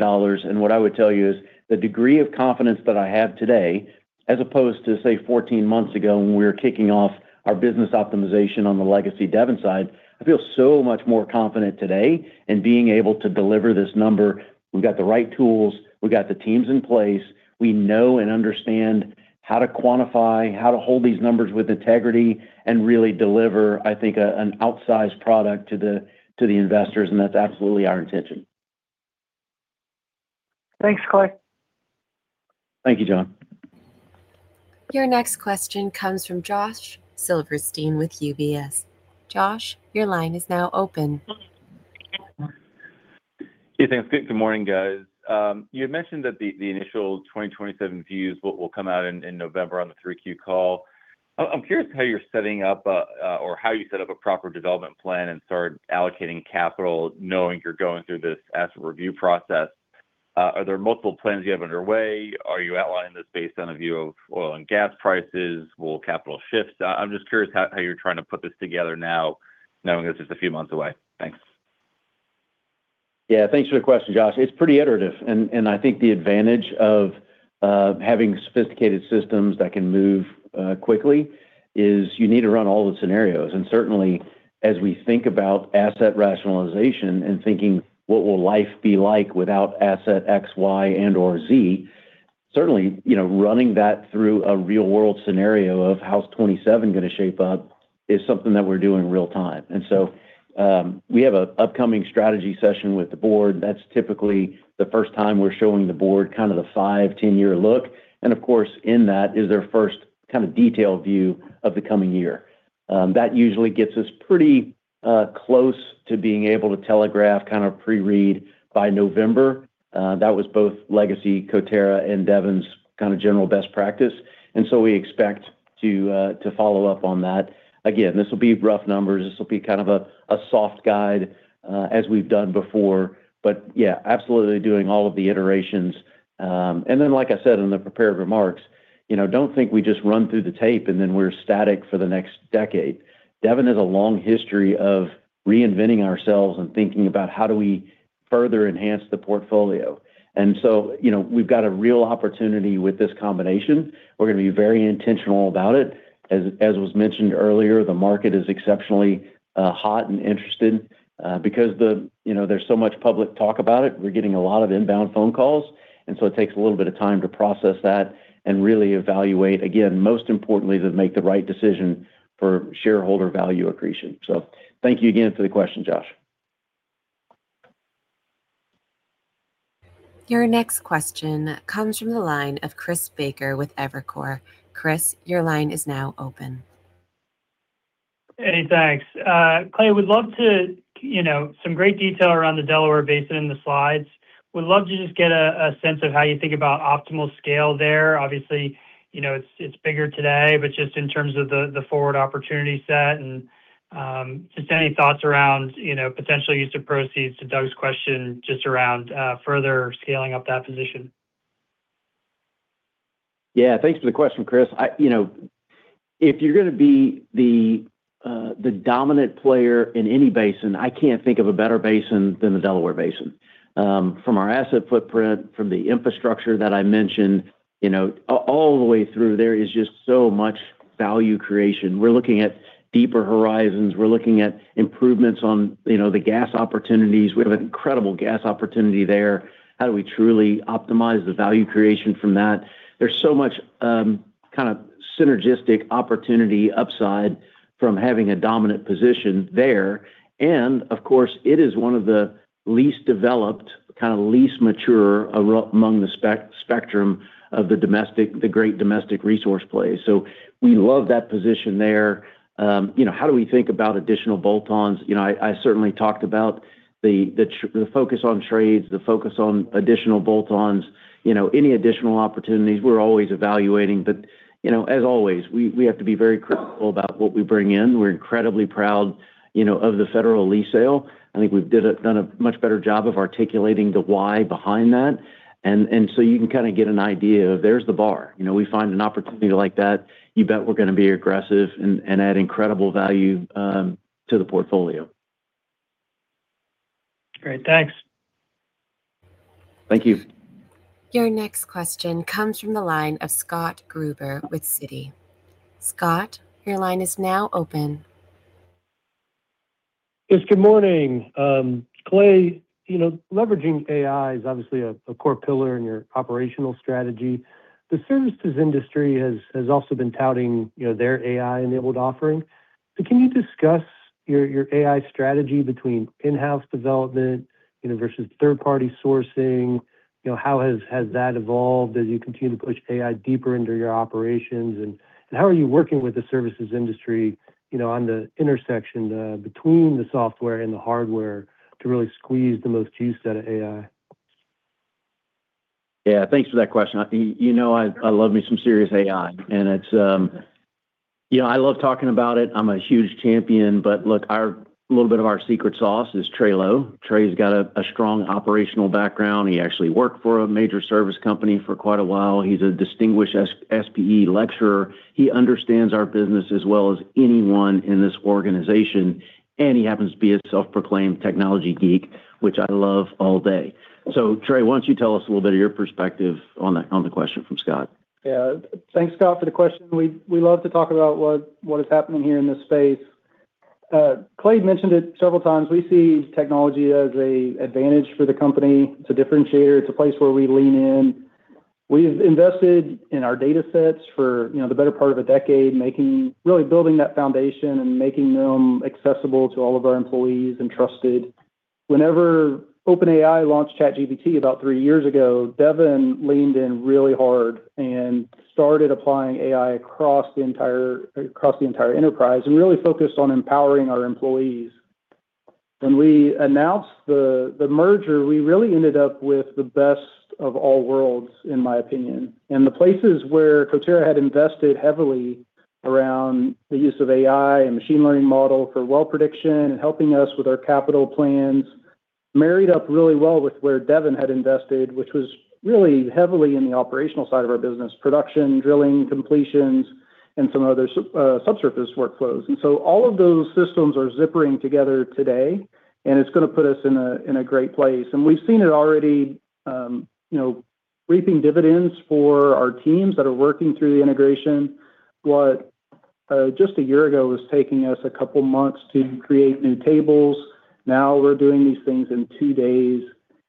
What I would tell you is the degree of confidence that I have today, as opposed to, say, 14 months ago when we were kicking off our business optimization on the legacy Devon side, I feel so much more confident today in being able to deliver this number. We've got the right tools. We've got the teams in place. We know and understand how to quantify, how to hold these numbers with integrity. Really deliver, I think, an outsized product to the investors. That's absolutely our intention. Thanks, Clay. Thank you, John. Your next question comes from Josh Silverstein with UBS. Josh, your line is now open. Hey, thanks. Good morning, guys. You had mentioned that the initial 2027 views will come out in November on the 3Q call. I'm curious how you're setting up, or how you set up a proper development plan and start allocating capital, knowing you're going through this asset review process. Are there multiple plans you have underway? Are you outlining this based on a view of oil and gas prices? Will capital shift? I'm just curious how you're trying to put this together now, knowing it's just a few months away. Thanks. Yeah, thanks for the question, Josh. It's pretty iterative. I think the advantage of having sophisticated systems that can move quickly is you need to run all the scenarios. Certainly, as we think about asset rationalization and thinking, what will life be like without asset X, Y, and/or Z? Certainly, running that through a real-world scenario of how's 2027 going to shape up is something that we're doing real time. We have an upcoming strategy session with the board. That's typically the first time we're showing the board the five, 10-year look. Of course, in that is their first detailed view of the coming year. That usually gets us pretty close to being able to telegraph, pre-read by November. That was both legacy, Coterra, and Devon's general best practice. We expect to follow up on that. Again, this will be rough numbers. This will be a soft guide as we've done before. Yeah, absolutely doing all of the iterations. Like I said in the prepared remarks, don't think we just run through the tape and then we're static for the next decade. Devon has a long history of reinventing ourselves and thinking about how do we further enhance the portfolio. We've got a real opportunity with this combination. We're going to be very intentional about it. As was mentioned earlier, the market is exceptionally hot and interested. Because there's so much public talk about it, we're getting a lot of inbound phone calls. It takes a little bit of time to process that and really evaluate, again, most importantly, to make the right decision for shareholder value accretion. Thank you again for the question, Josh. Your next question comes from the line of Chris Baker with Evercore. Chris, your line is now open. Hey, thanks. Clay, some great detail around the Delaware Basin in the slides. Would love to just get a sense of how you think about optimal scale there. Obviously, it's bigger today, but just in terms of the forward opportunity set and just any thoughts around potential use of proceeds to Doug's question, just around further scaling up that position. Yeah. Thanks for the question, Chris. If you're going to be the dominant player in any basin, I can't think of a better basin than the Delaware Basin. From our asset footprint, from the infrastructure that I mentioned, all the way through there is just so much value creation. We're looking at deeper horizons. We're looking at improvements on the gas opportunities. We have an incredible gas opportunity there. How do we truly optimize the value creation from that? There's so much kind of synergistic opportunity upside from having a dominant position there. Of course, it is one of the least developed, kind of least mature among the spectrum of the great domestic resource plays. We love that position there. How do we think about additional bolt-ons? I certainly talked about the focus on trades, the focus on additional bolt-ons. Any additional opportunities, we're always evaluating. As always, we have to be very critical about what we bring in. We're incredibly proud of the federal lease sale. I think we've done a much better job of articulating the why behind that. You can kind of get an idea of there's the bar. We find an opportunity like that, you bet we're going to be aggressive and add incredible value to the portfolio. Great. Thanks. Thank you. Your next question comes from the line of Scott Gruber with Citi. Scott, your line is now open. Yes, good morning. Clay, leveraging AI is obviously a core pillar in your operational strategy. The services industry has also been touting their AI-enabled offering. Can you discuss your AI strategy between in-house development versus third-party sourcing? How has that evolved as you continue to push AI deeper into your operations? How are you working with the services industry on the intersection between the software and the hardware to really squeeze the most use out of AI? Yeah, thanks for that question. You know I love me some serious AI. I love talking about it. I'm a huge champion. Look, a little bit of our secret sauce is Trey Lowe. Trey's got a strong operational background. He actually worked for a major service company for quite a while. He's a distinguished SPE lecturer. He understands our business as well as anyone in this organization, and he happens to be a self-proclaimed technology geek, which I love all day. Trey, why don't you tell us a little bit of your perspective on the question from Scott? Yeah. Thanks, Scott, for the question. We love to talk about what is happening here in this space. Clay mentioned it several times. We see technology as an advantage for the company. It's a differentiator. It's a place where we lean in. We've invested in our data sets for the better part of a decade, really building that foundation and making them accessible to all of our employees, and trusted. Whenever OpenAI launched ChatGPT about three years ago, Devon leaned in really hard and started applying AI across the entire enterprise and really focused on empowering our employees. When we announced the merger, we really ended up with the best of all worlds, in my opinion. The places where Coterra had invested heavily around the use of AI and machine learning model for well prediction and helping us with our capital plans, married up really well with where Devon had invested, which was really heavily in the operational side of our business. Production, drilling, completions, and some other subsurface workflows. All of those systems are zippering together today, and it's going to put us in a great place. We've seen it already reaping dividends for our teams that are working through the integration. What just a year ago was taking us a couple of months to create new tables, now we're doing these things in two days.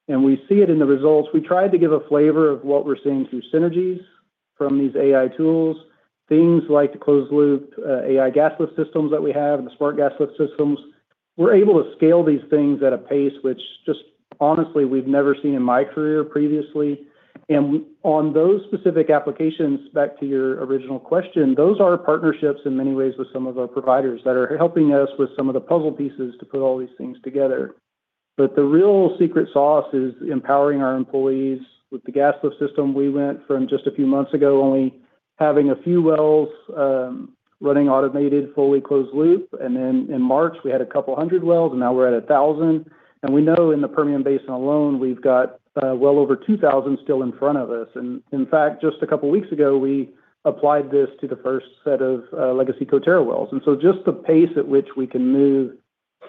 We see it in the results. We tried to give a flavor of what we're seeing through synergies from these AI tools. Things like the closed loop AI gas lift systems that we have and the smart gas lift systems. We're able to scale these things at a pace which just honestly, we've never seen in my career previously. On those specific applications, back to your original question, those are partnerships in many ways with some of our providers that are helping us with some of the puzzle pieces to put all these things together. The real secret sauce is empowering our employees. With the gas lift system, we went from just a few months ago only having a few wells running automated, fully closed loop. In March, we had a couple of hundred wells, and now we're at 1,000. We know in the Permian Basin alone, we've got well over 2,000 still in front of us. In fact, just a couple of weeks ago, we applied this to the first set of legacy Coterra wells. Just the pace at which we can move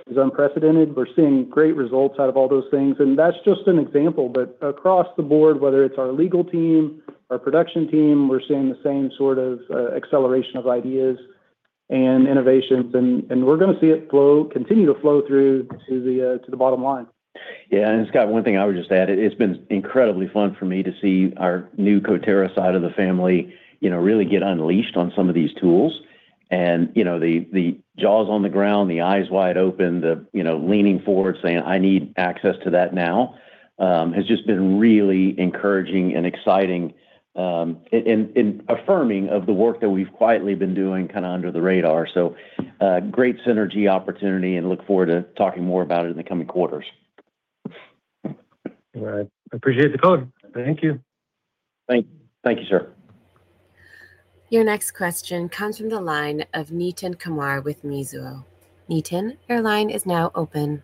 is unprecedented. We're seeing great results out of all those things, and that's just an example. Across the board, whether it's our legal team, our production team, we're seeing the same sort of acceleration of ideas and innovations, and we're going to see it continue to flow through to the bottom line. Scott, one thing I would just add, it's been incredibly fun for me to see our new Coterra side of the family really get unleashed on some of these tools. The jaws on the ground, the eyes wide open, the leaning forward saying, "I need access to that now," has just been really encouraging and exciting, and affirming of the work that we've quietly been doing under the radar. Great synergy opportunity, and look forward to talking more about it in the coming quarters. All right. Appreciate the color. Thank you. Thank you, sir. Your next question comes from the line of Nitin Kumar with Mizuho. Nitin, your line is now open.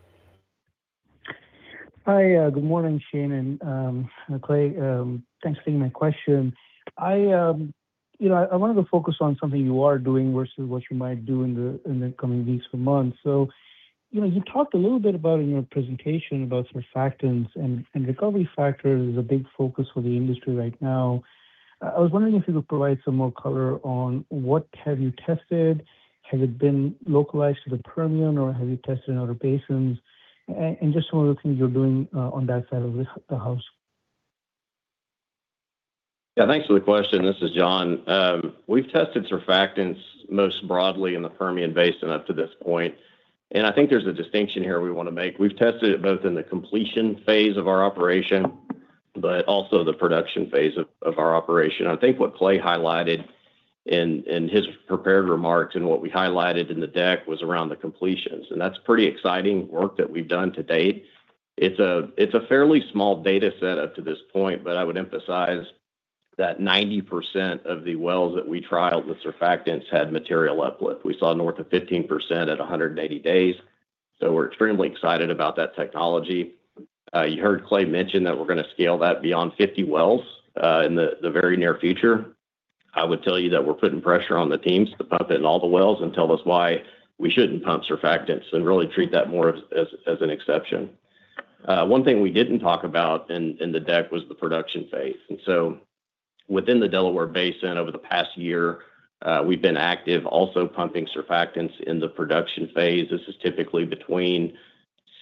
Hi. Good morning, Shane and Clay. Thanks for taking my question. I wanted to focus on something you are doing versus what you might do in the coming weeks or months. You talked a little bit about, in your presentation, about surfactants and recovery factors is a big focus for the industry right now. I was wondering if you could provide some more color on what have you tested. Has it been localized to the Permian, or have you tested in other basins? Just some of the things you're doing on that side of the house. Yeah, thanks for the question. This is John. We've tested surfactants most broadly in the Permian Basin up to this point. I think there's a distinction here we want to make. We've tested it both in the completion phase of our operation, also the production phase of our operation. I think what Clay highlighted in his prepared remarks and what we highlighted in the deck was around the completions. That's pretty exciting work that we've done to date. It's a fairly small data set up to this point. I would emphasize that 90% of the wells that we trialed with surfactants had material uplift. We saw north of 15% at 180 days. We're extremely excited about that technology. You heard Clay mention that we're going to scale that beyond 50 wells in the very near future. I would tell you that we're putting pressure on the teams to pump it in all the wells and tell us why we shouldn't pump surfactants and really treat that more as an exception. One thing we didn't talk about in the deck was the production phase. Within the Delaware Basin over the past year, we've been active also pumping surfactants in the production phase. This is typically between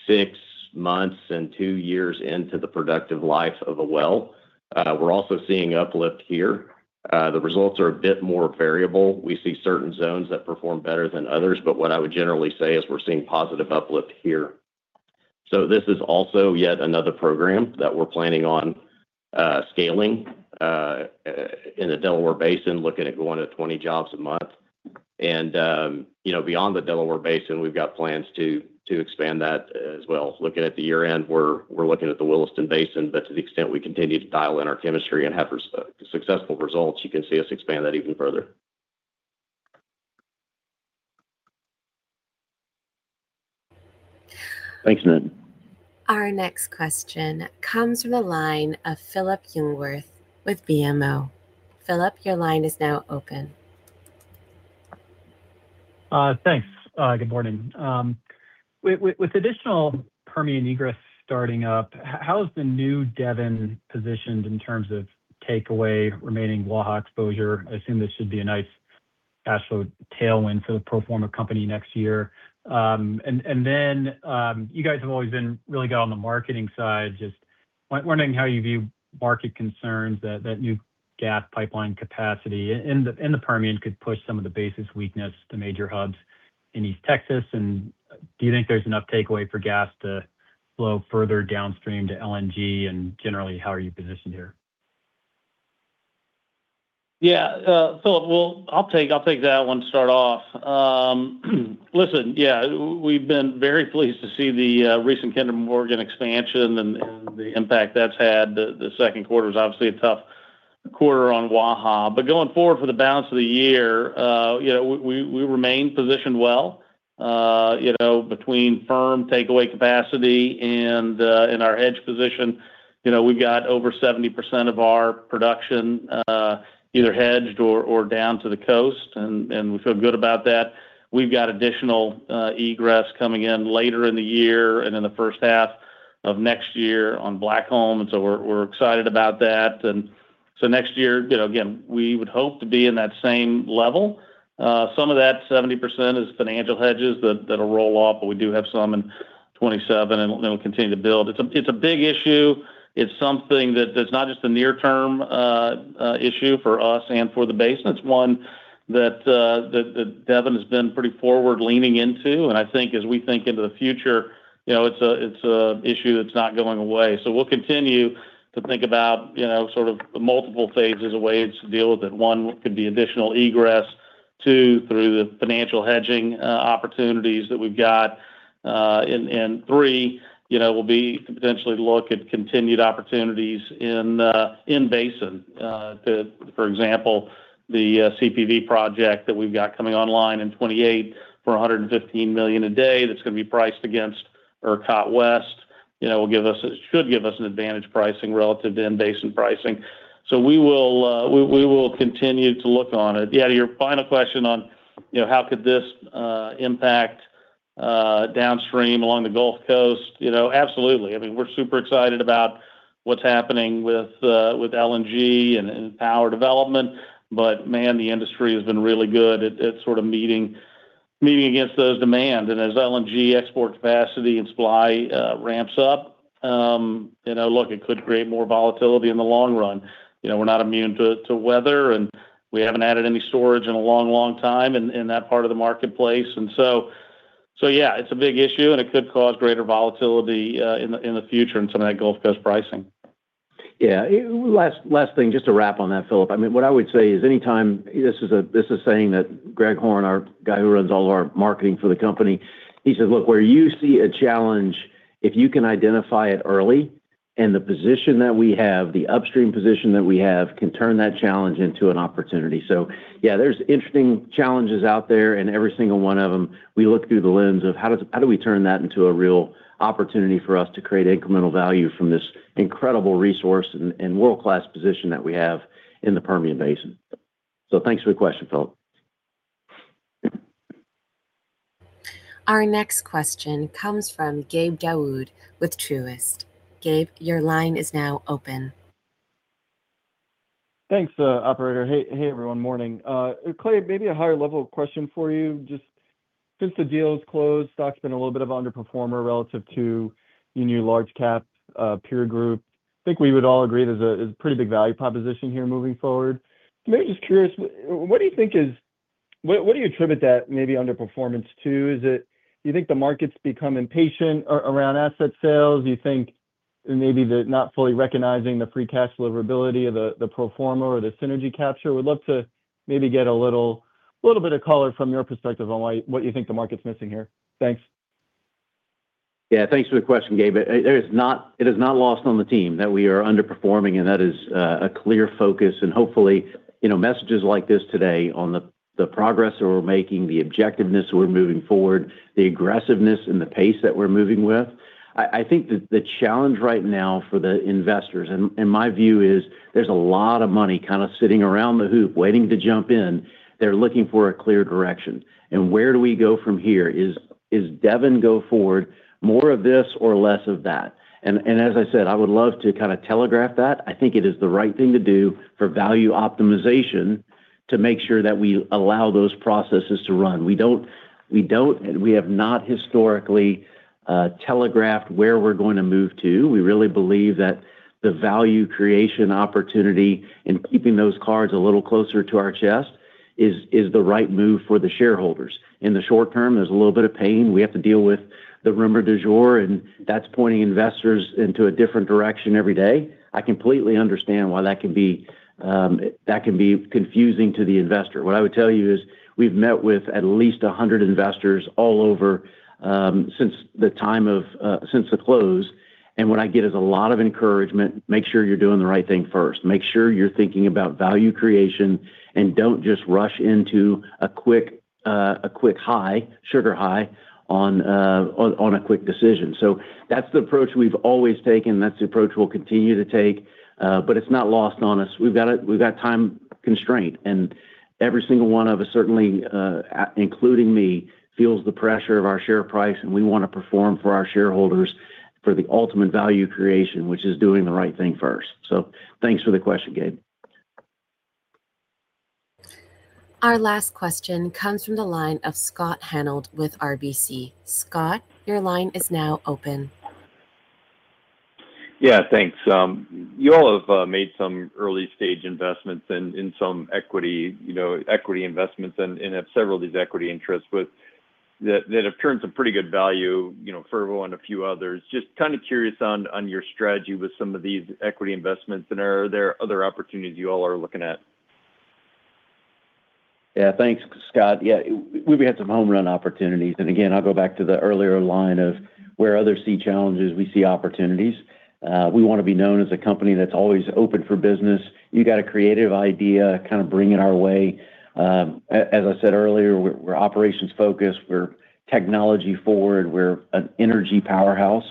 six months and two years into the productive life of a well. We're also seeing uplift here. The results are a bit more variable. We see certain zones that perform better than others. What I would generally say is we're seeing positive uplift here. This is also yet another program that we're planning on scaling in the Delaware Basin, looking at going to 20 jobs a month. Beyond the Delaware Basin, we've got plans to expand that as well. Looking at the year-end, we're looking at the Williston Basin. To the extent we continue to dial in our chemistry and have successful results, you can see us expand that even further. Thanks, Nitin. Our next question comes from the line of Phillip Jungwirth with BMO. Phillip, your line is now open. Thanks. Good morning. With additional Permian egress starting up, how is the new Devon positioned in terms of takeaway remaining Waha exposure? I assume this should be a nice actual tailwind for the pro forma company next year. You guys have always been really good on the marketing side, just wondering how you view market concerns that new gas pipeline capacity in the Permian could push some of the basis weakness to major hubs in East Texas. Do you think there's enough takeaway for gas to flow further downstream to LNG? And generally, how are you positioned here? Yeah. Phillip, well, I'll take that one to start off. Listen, yeah, we've been very pleased to see the recent Kinder Morgan expansion and the impact that's had. The second quarter is obviously a tough quarter on Waha. Going forward for the balance of the year, we remain positioned well. Between firm takeaway capacity and our hedge position, we've got over 70% of our production either hedged or down to the coast, and we feel good about that. We've got additional egress coming in later in the year and in the first half of next year on Blackcomb. We're excited about that. Next year, again, we would hope to be in that same level. Some of that 70% is financial hedges that'll roll off, but we do have some in 2027, we'll continue to build. It's a big issue. It's something that's not just a near-term issue for us and for the basin. It's one that Devon has been pretty forward-leaning into, and I think as we think into the future, it's an issue that's not going away. We'll continue to think about multiple phases of ways to deal with it. One could be additional egress. Two, through the financial hedging opportunities that we've got. Three, will be to potentially look at continued opportunities in-basin. For example, the CPV project that we've got coming online in 2028 for 115 million a day, that's going to be priced against ERCOT West. It should give us an advantage pricing relative to in-basin pricing. We will continue to look on it. To your final question on how could this impact downstream along the Gulf Coast. Absolutely. We're super excited about what's happening with LNG and power development. Man, the industry has been really good at sort of meeting against those demands. As LNG export capacity and supply ramps up, it could create more volatility in the long run. We're not immune to weather, and we haven't added any storage in a long, long time in that part of the marketplace. It's a big issue, and it could cause greater volatility in the future in some of that Gulf Coast pricing. Last thing, just to wrap on that, Phillip. What I would say is anytime, this is a saying that Greg Horne, our guy who runs all our marketing for the company, he says, "Where you see a challenge, if you can identify it early and the position that we have, the upstream position that we have, can turn that challenge into an opportunity." There's interesting challenges out there, and every single one of them, we look through the lens of how do we turn that into a real opportunity for us to create incremental value from this incredible resource and world-class position that we have in the Permian Basin. Thanks for the question, Phillip. Our next question comes from Gabe Daoud with Truist. Gabe, your line is now open. Thanks, operator. Hey, everyone. Morning. Clay, maybe a higher level question for you, just since the deal has closed, stock's been a little bit of an underperformer relative to your new large cap peer group. I think we would all agree there's a pretty big value proposition here moving forward. Maybe just curious, what do you attribute that maybe underperformance to? Is it you think the market's become impatient around asset sales? You think maybe they're not fully recognizing the free cash flow ability of the pro forma or the synergy capture? Would love to maybe get a little bit of color from your perspective on what you think the market's missing here. Thanks. Yeah. Thanks for the question, Gabe. It is not lost on the team that we are underperforming, that is a clear focus, and hopefully, messages like this today on the progress that we're making, the objectiveness that we're moving forward, the aggressiveness and the pace that we're moving with. I think that the challenge right now for the investors, my view is there's a lot of money kind of sitting around the hoop waiting to jump in. They're looking for a clear direction. Where do we go from here? Is Devon go forward more of this or less of that? As I said, I would love to kind of telegraph that. I think it is the right thing to do for value optimization to make sure that we allow those processes to run. We have not historically telegraphed where we're going to move to. We really believe that the value creation opportunity in keeping those cards a little closer to our chest is the right move for the shareholders. In the short term, there's a little bit of pain. We have to deal with the rumor du jour, that's pointing investors into a different direction every day. I completely understand why that can be confusing to the investor. What I would tell you is we've met with at least 100 investors all over since the close, what I get is a lot of encouragement. Make sure you're doing the right thing first. Make sure you're thinking about value creation and don't just rush into a quick high, sugar high on a quick decision. That's the approach we've always taken. That's the approach we'll continue to take. It's not lost on us. We've got time constraint, every single one of us, certainly including me, feels the pressure of our share price, we want to perform for our shareholders for the ultimate value creation, which is doing the right thing first. Thanks for the question, Gabe. Our last question comes from the line of Scott Hanold with RBC. Scott, your line is now open. Yeah. Thanks. You all have made some early-stage investments in some equity investments and have several of these equity interests that have turned some pretty good value, Fervo and a few others. Just kind of curious on your strategy with some of these equity investments, and are there other opportunities you all are looking at? Yeah. Thanks, Scott. Yeah. We've had some home run opportunities. Again, I'll go back to the earlier line of where others see challenges, we see opportunities. We want to be known as a company that's always open for business. You got a creative idea, kind of bring it our way. As I said earlier, we're operations-focused, we're technology-forward, we're an energy powerhouse.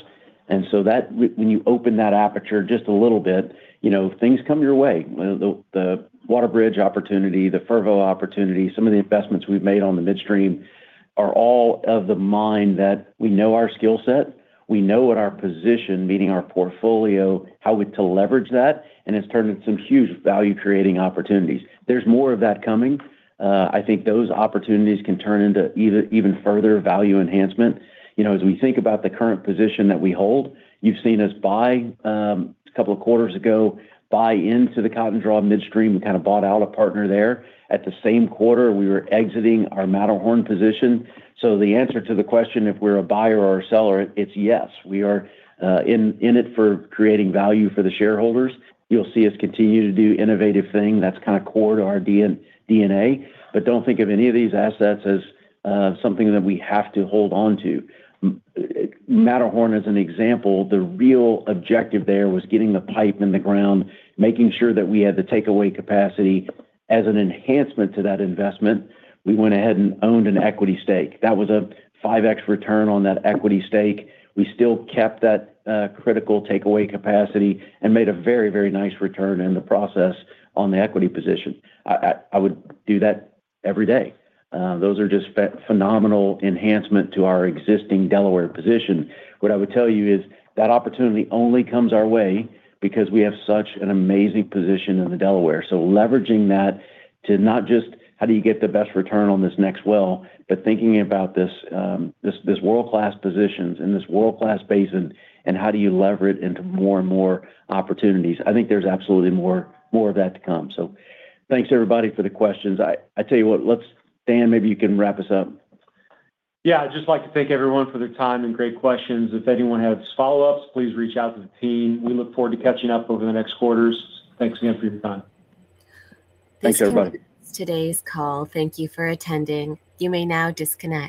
So when you open that aperture just a little bit, things come your way. The WaterBridge opportunity, the Fervo opportunity, some of the investments we've made on the midstream are all of the mind that we know our skill set, we know what our position, meaning our portfolio, how to leverage that. It's turned into some huge value-creating opportunities. There's more of that coming. I think those opportunities can turn into even further value enhancement. As we think about the current position that we hold, you've seen us, a couple of quarters ago, buy into the Cotton Draw Midstream. We kind of bought out a partner there. At the same quarter, we were exiting our Matterhorn position. The answer to the question, if we're a buyer or a seller, it's yes. We are in it for creating value for the shareholders. You'll see us continue to do innovative thing. That's kind of core to our DNA. Don't think of any of these assets as something that we have to hold on to. Matterhorn, as an example, the real objective there was getting the pipe in the ground, making sure that we had the takeaway capacity. As an enhancement to that investment, we went ahead and owned an equity stake. That was a 5x return on that equity stake. We still kept that critical takeaway capacity and made a very, very nice return in the process on the equity position. I would do that every day. Those are just phenomenal enhancement to our existing Delaware position. What I would tell you is that opportunity only comes our way because we have such an amazing position in the Delaware. Leveraging that to not just how do you get the best return on this next well, but thinking about these world-class positions in this world-class basin, and how do you lever it into more and more opportunities. I think there's absolutely more of that to come. Thanks everybody for the questions. I tell you what. Dan, maybe you can wrap us up. Yeah. I'd just like to thank everyone for their time and great questions. If anyone has follow-ups, please reach out to the team. We look forward to catching up over the next quarters. Thanks again for your time. Thanks, everybody. This concludes today's call. Thank you for attending. You may now disconnect.